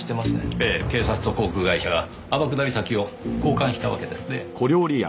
ええ警察と航空会社が天下り先を交換したわけですねぇ。